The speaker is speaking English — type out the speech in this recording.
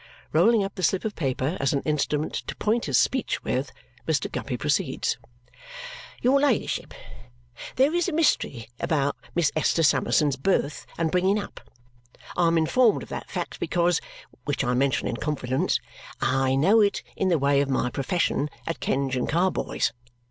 Rolling up the slip of paper as an instrument to point his speech with, Mr. Guppy proceeds. "Your ladyship, there is a mystery about Miss Esther Summerson's birth and bringing up. I am informed of that fact because which I mention in confidence I know it in the way of my profession at Kenge and Carboy's.